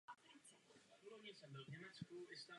Je zcela jistě pravda, že jsou potřeba peníze.